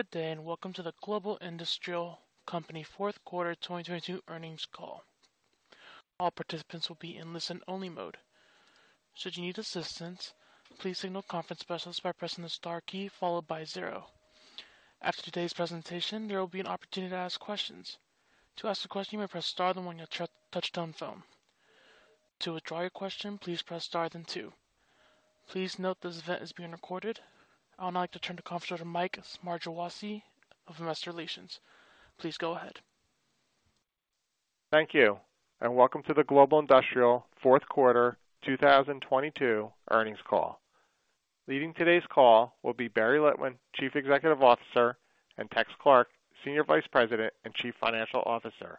Good day, welcome to the Global Industrial Company fourth quarter 2022 earnings call. All participants will be in listen-only mode. Should you need assistance, please signal conference specialist by pressing the star key followed by zero. After today's presentation, there will be an opportunity to ask questions. To ask a question, you may press star, then one on your touch-tone phone. To withdraw your question, please press star then two. Please note this event is being recorded. I would now like to turn the conference over to Mike Smargiassi of Investor Relations. Please go ahead. Thank you. Welcome to the Global Industrial fourth quarter 2022 earnings call. Leading today's call will be Barry Litwin, Chief Executive Officer, and Tex Clark, Senior Vice President and Chief Financial Officer.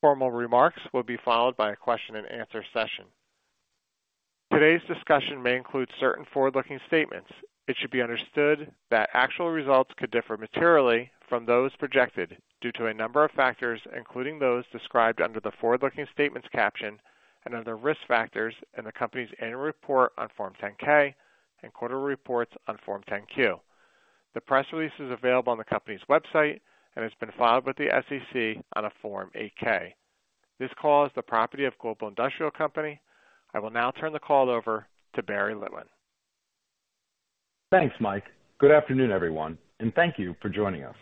Formal remarks will be followed by a question-and-answer session. Today's discussion may include certain forward-looking statements. It should be understood that actual results could differ materially from those projected due to a number of factors, including those described under the forward-looking statements caption and under risk factors in the company's annual report on Form 10-K and quarterly reports on Form 10-Q. The press release is available on the company's website and has been filed with the SEC on a Form 8-K. This call is the property of Global Industrial Company. I will now turn the call over to Barry Litwin. Thanks, Mike. Good afternoon, everyone, and thank you for joining us.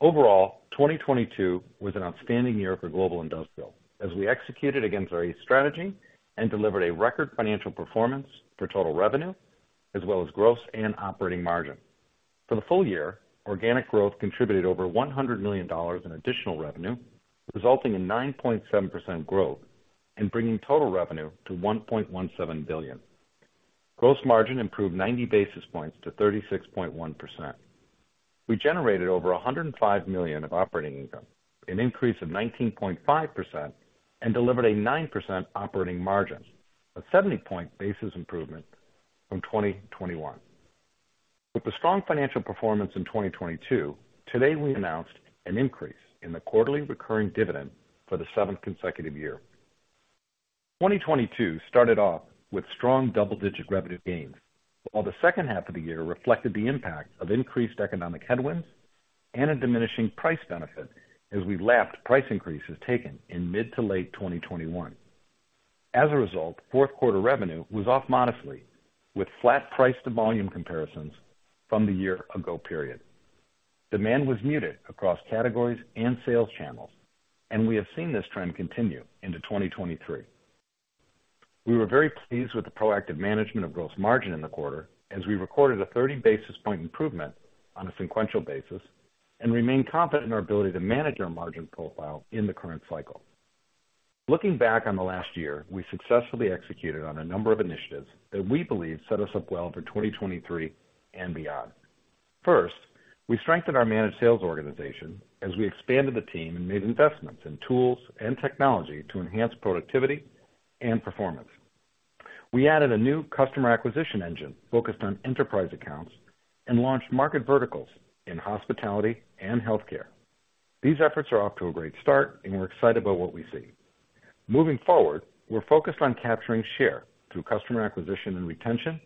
Overall, 2022 was an outstanding year for Global Industrial as we executed against our strategy and delivered a record financial performance for total revenue, as well as gross and operating margin. For the full year, organic growth contributed over $100 million in additional revenue, resulting in 9.7% growth and bringing total revenue to $1.17 billion. Gross margin improved 90 basis points to 36.1%. We generated over $105 million of operating income, an increase of 19.5%, and delivered a 9% operating margin, a 70 point basis improvement from 2021. With the strong financial performance in 2022, today we announced an increase in the quarterly recurring dividend for the seventh consecutive year. 2022 started off with strong double-digit revenue gains, while the second half of the year reflected the impact of increased economic headwinds and a diminishing price benefit as we lapped price increases taken in mid to late 2021. As a result, fourth quarter revenue was off modestly, with flat price to volume comparisons from the year ago period. Demand was muted across categories and sales channels, and we have seen this trend continue into 2023. We were very pleased with the proactive management of gross margin in the quarter as we recorded a 30 basis point improvement on a sequential basis and remain confident in our ability to manage our margin profile in the current cycle. Looking back on the last year, we successfully executed on a number of initiatives that we believe set us up well for 2023 and beyond. First, we strengthened our managed sales organization as we expanded the team and made investments in tools and technology to enhance productivity and performance. We added a new customer acquisition engine focused on enterprise accounts and launched market verticals in hospitality and healthcare. These efforts are off to a great start and we're excited about what we see. Moving forward, we're focused on capturing share through customer acquisition and retention,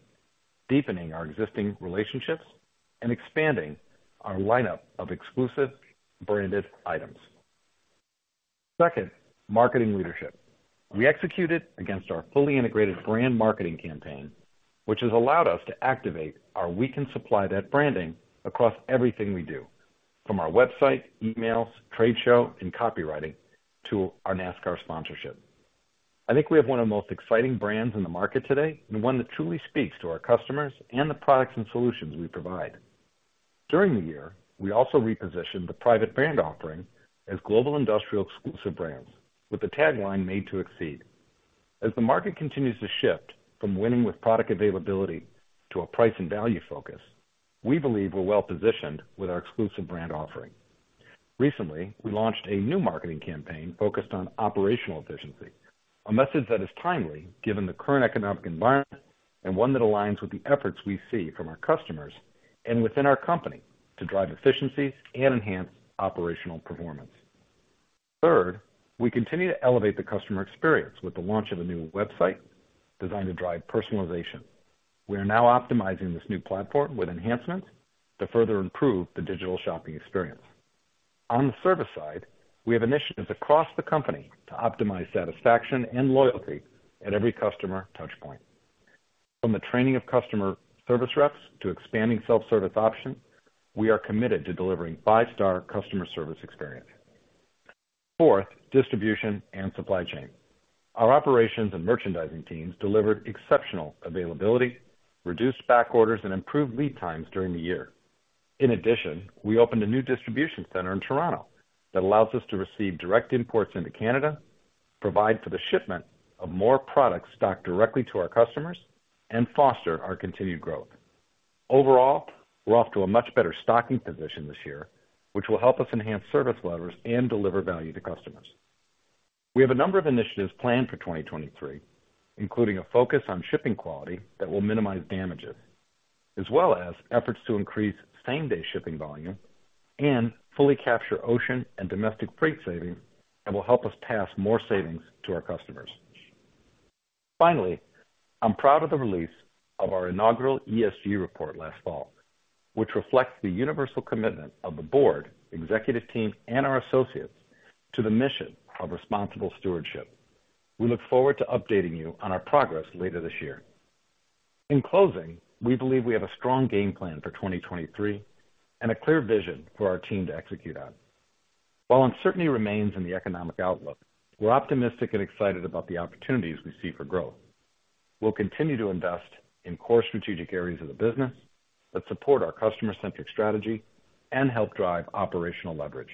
deepening our existing relationships, and expanding our lineup of exclusive branded items. Second, marketing leadership. We executed against our fully integrated brand marketing campaign, which has allowed us to activate our We Can Supply That branding across everything we do, from our website, emails, trade show, and copywriting to our NASCAR sponsorship. I think we have one of the most exciting brands in the market today, and one that truly speaks to our customers and the products and solutions we provide. During the year, we also repositioned the private brand offering as Global Industrial Exclusive Brands with the tagline Made to Exceed. As the market continues to shift from winning with product availability to a price and value focus, we believe we're well-positioned with our exclusive brand offering. Recently, we launched a new marketing campaign focused on operational efficiency, a message that is timely given the current economic environment and one that aligns with the efforts we see from our customers and within our company to drive efficiencies and enhance operational performance. Third, we continue to elevate the customer experience with the launch of a new website designed to drive personalization. We are now optimizing this new platform with enhancements to further improve the digital shopping experience. On the service side, we have initiatives across the company to optimize satisfaction and loyalty at every customer touch point. From the training of customer service reps to expanding self-service options, we are committed to delivering five-star customer service experience. Fourth, distribution and supply chain. Our operations and merchandising teams delivered exceptional availability, reduced back orders, and improved lead times during the year. In addition, we opened a new distribution center in Toronto that allows us to receive direct imports into Canada, provide for the shipment of more products stocked directly to our customers, and foster our continued growth. Overall, we're off to a much better stocking position this year, which will help us enhance service levels and deliver value to customers. We have a number of initiatives planned for 2023, including a focus on shipping quality that will minimize damages, as well as efforts to increase same-day shipping volume and fully capture ocean and domestic freight savings that will help us pass more savings to our customers. Finally, I'm proud of the release of our inaugural ESG Report last fall, which reflects the universal commitment of the Board, executive team, and our associates to the mission of responsible stewardship. We look forward to updating you on our progress later this year. In closing, we believe we have a strong game plan for 2023 and a clear vision for our team to execute on. While uncertainty remains in the economic outlook, we're optimistic and excited about the opportunities we see for growth. We'll continue to invest in core strategic areas of the business that support our customer-centric strategy and help drive operational leverage.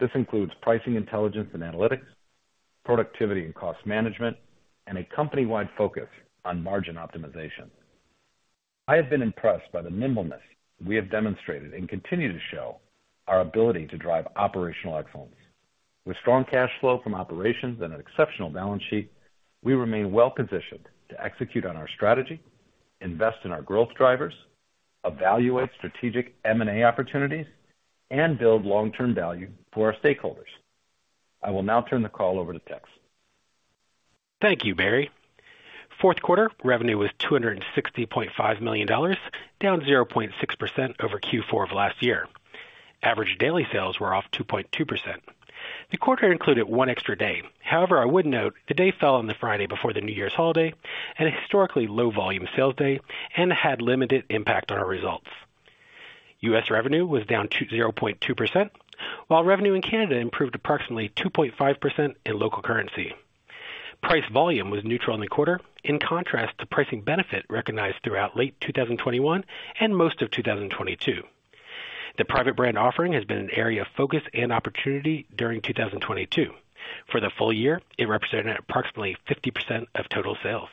This includes pricing intelligence and analytics, productivity and cost management, and a company-wide focus on margin optimization. I have been impressed by the nimbleness we have demonstrated and continue to show our ability to drive operational excellence. With strong cash flow from operations and an exceptional balance sheet, we remain well-positioned to execute on our strategy, invest in our growth drivers, evaluate strategic M&A opportunities, and build long-term value for our stakeholders. I will now turn the call over to Tex. Thank you, Barry. Fourth quarter revenue was $260.5 million, down 0.6% over Q4 of last year. Average daily sales were off 2.2%. The quarter included one extra day. I would note the day fell on the Friday before the New Year's holiday and a historically low volume sales day and had limited impact on our results. U.S. revenue was down 0.2%, while revenue in Canada improved approximately 2.5% in local currency. Price volume was neutral in the quarter, in contrast to pricing benefit recognized throughout late 2021 and most of 2022. The private brand offering has been an area of focus and opportunity during 2022. For the full year, it represented approximately 50% of total sales.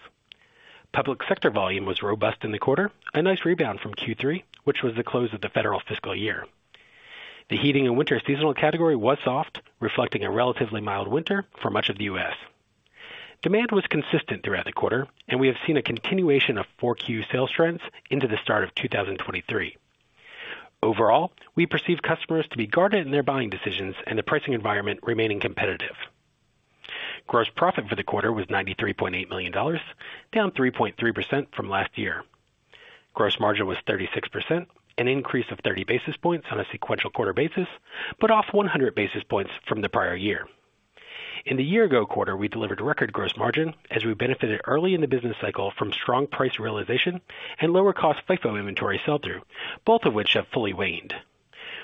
Public sector volume was robust in the quarter, a nice rebound from Q3, which was the close of the federal fiscal year. The heating and winter seasonal category was soft, reflecting a relatively mild winter for much of the US. Demand was consistent throughout the quarter, and we have seen a continuation of 4Q sales trends into the start of 2023. Overall, we perceive customers to be guarded in their buying decisions and the pricing environment remaining competitive. Gross profit for the quarter was $93.8 million, down 3.3% from last year. Gross margin was 36%, an increase of 30 basis points on a sequential quarter basis, but off 100 basis points from the prior year. In the year ago quarter, we delivered record gross margin as we benefited early in the business cycle from strong price realization and lower cost FIFO inventory sell-through, both of which have fully waned.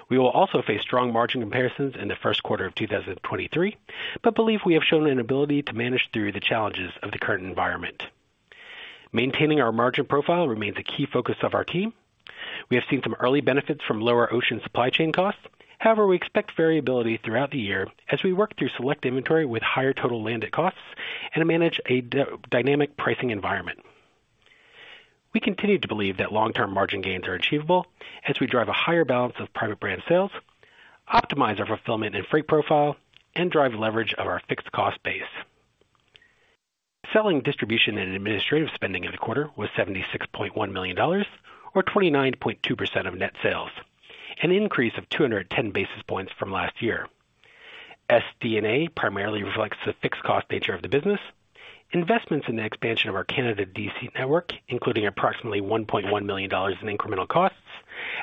We will also face strong margin comparisons in the first quarter of 2023, but believe we have shown an ability to manage through the challenges of the current environment. Maintaining our margin profile remains a key focus of our team. We have seen some early benefits from lower ocean supply chain costs. However, we expect variability throughout the year as we work through select inventory with higher total landed costs and manage a dynamic pricing environment. We continue to believe that long-term margin gains are achievable as we drive a higher balance of private brand sales, optimize our fulfillment and freight profile, and drive leverage of our fixed cost base. Selling, distribution, and administrative spending in the quarter was $76.1 million or 29.2% of net sales, an increase of 210 basis points from last year. SD&A primarily reflects the fixed cost nature of the business, investments in the expansion of our Canada DC network, including approximately $1.1 million in incremental costs,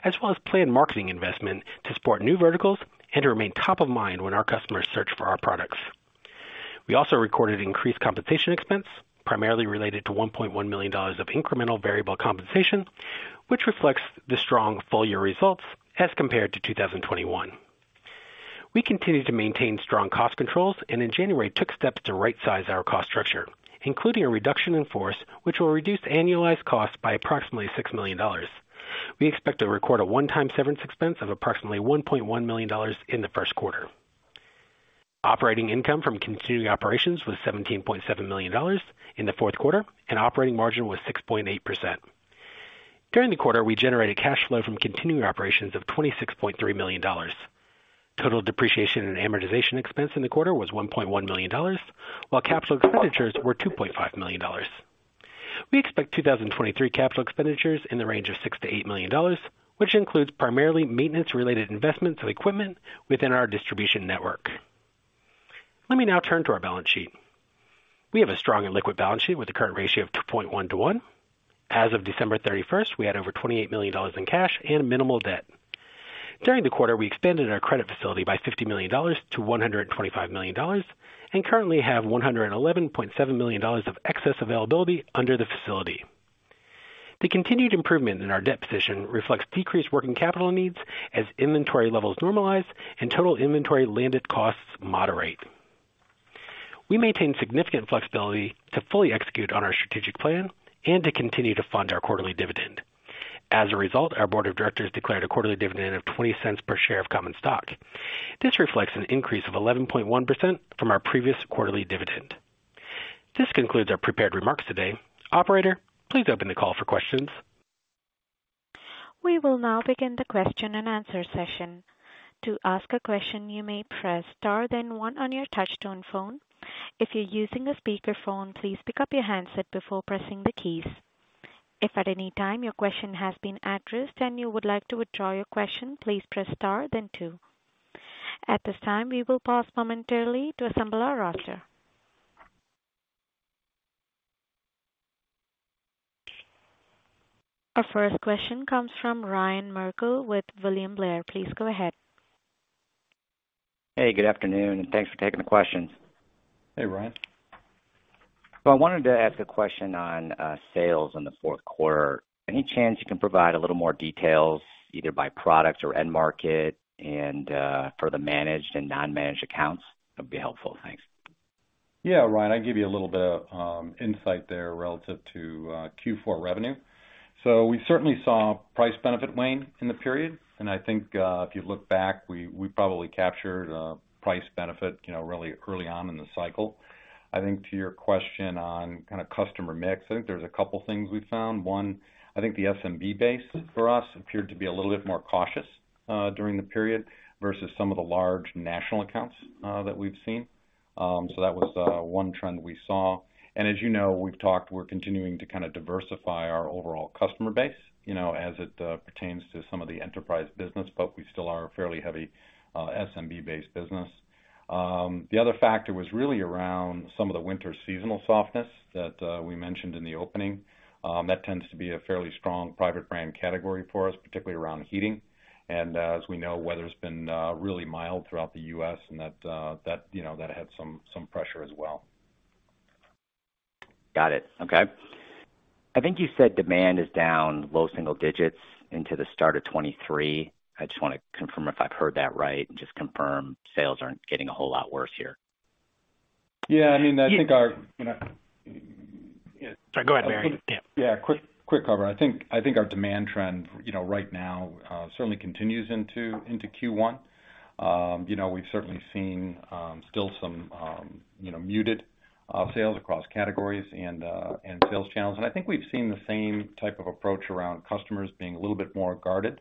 as well as planned marketing investment to support new verticals and to remain top of mind when our customers search for our products. We also recorded increased compensation expense, primarily related to $1.1 million of incremental variable compensation, which reflects the strong full year results as compared to 2021. We continue to maintain strong cost controls and in January, took steps to right-size our cost structure, including a reduction in force, which will reduce annualized costs by approximately $6 million. We expect to record a one-time severance expense of approximately $1.1 million in the first quarter. Operating income from continuing operations was $17.7 million in the fourth quarter and operating margin was 6.8%. During the quarter, we generated cash flow from continuing operations of $26.3 million. Total depreciation and amortization expense in the quarter was $1.1 million, while capital expenditures were $2.5 million. We expect 2023 capital expenditures in the range of $6 million-$8 million, which includes primarily maintenance-related investments of equipment within our distribution network. Let me now turn to our balance sheet. We have a strong and liquid balance sheet with a current ratio of 2.1 to 1. As of December 31st, we had over $28 million in cash and minimal debt. During the quarter, we expanded our credit facility by $50 million to $125 million and currently have $111.7 million of excess availability under the facility. The continued improvement in our debt position reflects decreased working capital needs as inventory levels normalize and total inventory landed costs moderate. We maintain significant flexibility to fully execute on our strategic plan and to continue to fund our quarterly dividend. As a result, our Board of Directors declared a quarterly dividend of $0.20 per share of common stock. This reflects an increase of 11.1% from our previous quarterly dividend. This concludes our prepared remarks today. Operator, please open the call for questions. We will now begin the question and answer session. To ask a question, you may press star then one on your touch-tone phone. If you're using a speaker phone, please pick up your handset before pressing the keys. If at any time your question has been addressed and you would like to withdraw your question, please press star then two. At this time, we will pause momentarily to assemble our roster. Our first question comes from Ryan Merkel with William Blair. Please go ahead. Hey, good afternoon, and thanks for taking the questions. Hey, Ryan. I wanted to ask a question on sales in the fourth quarter. Any chance you can provide a little more details, either by product or end market and for the managed and non-managed accounts? That'd be helpful. Thanks. Yeah, Ryan, I'd give you a little bit of insight there relative to Q4 revenue. We certainly saw price benefit wane in the period. I think, if you look back, we probably captured a price benefit, you know, really early on in the cycle. I think to your question on kind of customer mix, I think there's a couple things we found. One, I think the SMB base for us appeared to be a little bit more cautious during the period versus some of the large national accounts that we've seen. That was one trend we saw. As you know, we've talked, we're continuing to kind of diversify our overall customer base, you know, as it pertains to some of the enterprise business, but we still are a fairly heavy SMB-based business. The other factor was really around some of the winter seasonal softness that we mentioned in the opening. That tends to be a fairly strong private brand category for us, particularly around heating. As we know, weather's been really mild throughout the U.S., and that, you know, that had some pressure as well. Got it. Okay. I think you said demand is down low single digits into the start of 2023. I just wanna confirm if I've heard that right and just confirm sales aren't getting a whole lot worse here? Yeah, I mean, I think our, you know. Sorry, go ahead, Barry. Yeah. Quick cover. I think our demand trend, you know, right now, certainly continues into Q1. You know, we've certainly seen, still some, you know, muted sales across categories and sales channels. I think we've seen the same type of approach around customers being a little bit more guarded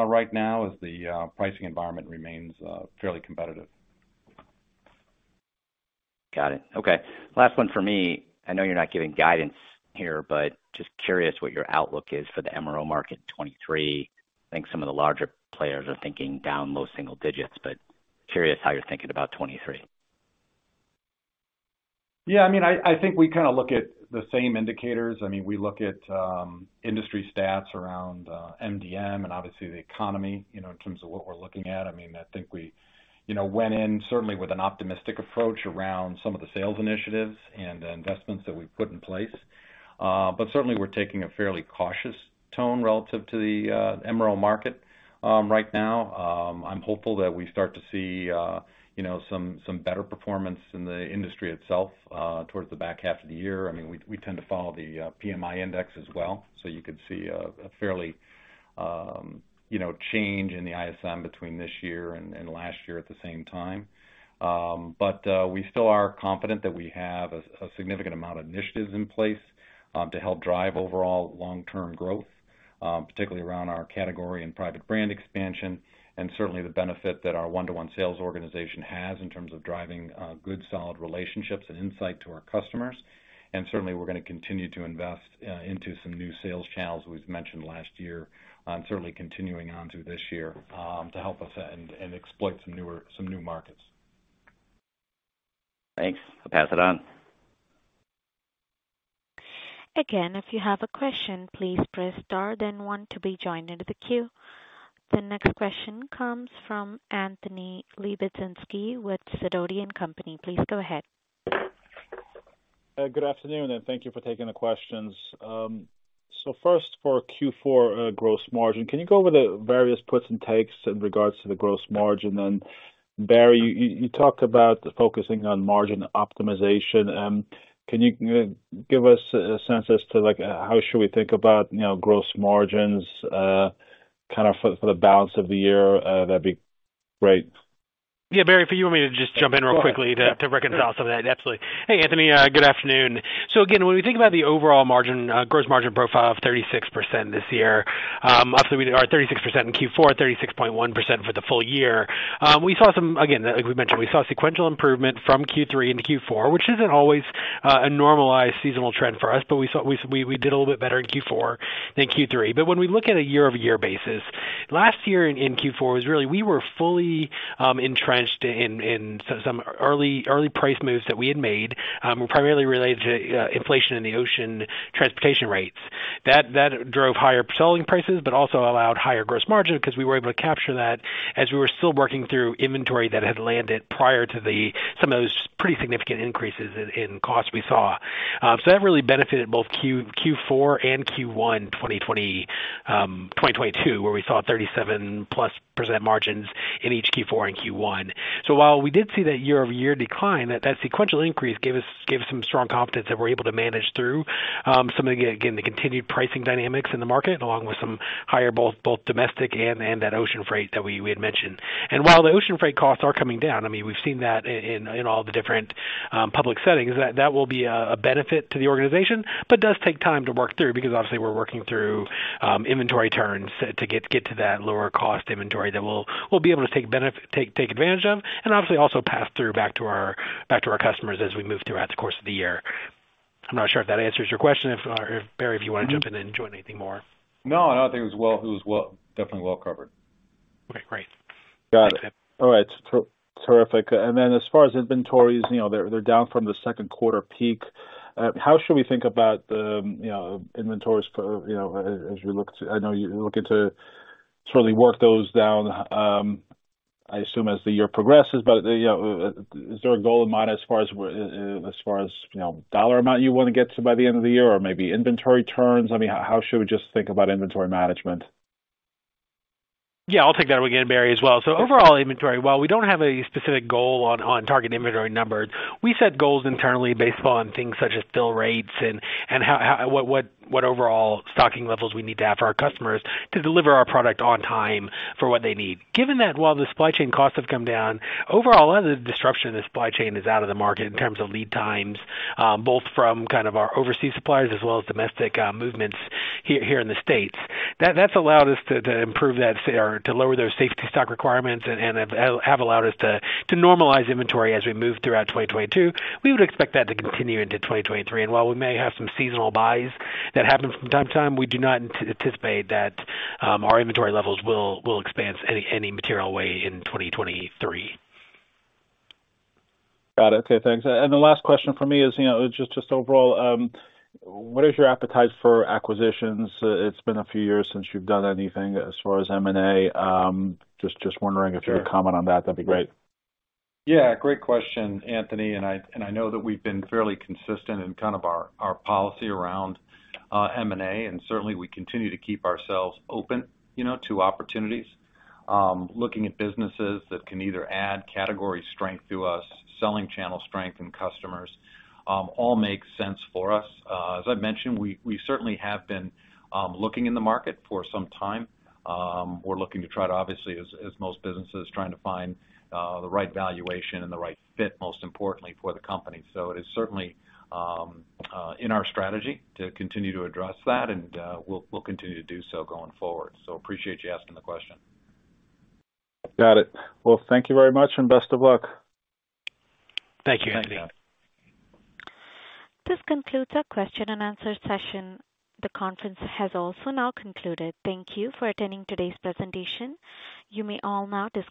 right now as the pricing environment remains fairly competitive. Got it. Okay. Last one for me. I know you're not giving guidance here, but just curious what your outlook is for the MRO market in 2023. I think some of the larger players are thinking down low single digits, but curious how you're thinking about 2023. I mean, I think we kinda look at the same indicators. I mean, we look at industry stats around MDM and obviously the economy, you know, in terms of what we're looking at. I mean, I think we, you know, went in certainly with an optimistic approach around some of the sales initiatives and the investments that we've put in place. Certainly we're taking a fairly cautious tone relative to the MRO market right now. I'm hopeful that we start to see, you know, some better performance in the industry itself towards the back half of the year. I mean, we tend to follow the PMI index as well. You could see a fairly, you know, change in the ISM between this year and last year at the same time. We still are confident that we have a significant amount of initiatives in place, to help drive overall long-term growth, particularly around our category and private brand expansion, and certainly the benefit that our one-to-one sales organization has in terms of driving, good, solid relationships and insight to our customers. Certainly we're gonna continue to invest, into some new sales channels we've mentioned last year, certainly continuing on through this year, to help us and exploit some new markets. Thanks. I'll pass it on. Again, if you have a question, please press star then one to be joined into the queue. The next question comes from Anthony Lebiedzinski with Sidoti & Company. Please go ahead. Good afternoon, thank you for taking the questions. First for Q4, gross margin, can you go over the various puts and takes in regards to the gross margin? Barry, you talked about focusing on margin optimization. Can you give us a sense as to, like, how should we think about, you know, gross margins, kind of for the balance of the year? That'd be great. Barry, if you want me to just jump in real quickly to reconcile some of that. Absolutely. Hey, Anthony, good afternoon. Again, when we think about the overall margin, gross margin profile of 36% this year, obviously we are at 36% in Q4, 36.1% for the full year. Again, as we've mentioned, we saw sequential improvement from Q3 into Q4, which isn't always a normalized seasonal trend for us, but we did a little bit better in Q4 than Q3. When we look at a year-over-year basis, last year in Q4 was really we were fully entrenched in some early price moves that we had made, were primarily related to inflation in the ocean transportation rates. That drove higher selling prices, but also allowed higher gross margin because we were able to capture that as we were still working through inventory that had landed prior to some of those pretty significant increases in cost we saw. That really benefited both Q4 and Q1 2022, where we saw 37%+ margins in each Q4 and Q1. While we did see that year-over-year decline, that sequential increase gave us some strong confidence that we're able to manage through some of the, again, the continued pricing dynamics in the market, along with some higher both domestic and that ocean freight that we had mentioned. While the ocean freight costs are coming down, I mean, we've seen that in all the different public settings, that will be a benefit to the organization, but does take time to work through because obviously we're working through inventory turns to get to that lower cost inventory that we'll be able to take advantage of and obviously also pass through back to our customers as we move throughout the course of the year. I'm not sure if that answers your question. If Barry, if you wanna jump in and join anything more. No, I don't think it was. It was definitely well covered. Okay, great. Got it. All right. Terrific. Then as far as inventories, you know, they're down from the second quarter peak. How should we think about the, you know, inventories for, you know, as you look to I know you're looking to sort of work those down, I assume as the year progresses. You know, is there a goal in mind as far as as far as, you know, dollar amount you wanna get to by the end of the year or maybe inventory turns? I mean, how should we just think about inventory management? Yeah, I'll take that again, Barry, as well. Overall inventory, while we don't have a specific goal on target inventory numbers, we set goals internally based upon things such as bill rates and what overall stocking levels we need to have for our customers to deliver our product on time for what they need. Given that while the supply chain costs have come down, overall a lot of the disruption in the supply chain is out of the market in terms of lead times, both from kind of our overseas suppliers as well as domestic movements here in the States. That's allowed us to improve that or to lower those safety stock requirements and have allowed us to normalize inventory as we move throughout 2022. We would expect that to continue into 2023. While we may have some seasonal buys that happen from time to time, we do not anticipate that our inventory levels will expanse any material way in 2023. Got it. Okay, thanks. The last question from me is, you know, just overall, what is your appetite for acquisitions? It's been a few years since you've done anything as far as M&A. Just wondering if you could comment on that'd be great. Yeah, great question, Anthony. I know that we've been fairly consistent in kind of our policy around M&A, and certainly we continue to keep ourselves open, you know, to opportunities. Looking at businesses that can either add category strength to us, selling channel strength and customers, all make sense for us. As I mentioned, we certainly have been looking in the market for some time. We're looking to try to obviously as most businesses trying to find the right valuation and the right fit, most importantly for the company. It is certainly in our strategy to continue to address that, and we'll continue to do so going forward. Appreciate you asking the question. Got it. Well, thank you very much and best of luck. Thank you, Anthony. Thank you. This concludes our question and answer session. The conference has also now concluded. Thank you for attending today's presentation. You may all now disconnect.